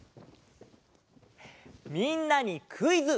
みんなにクイズ！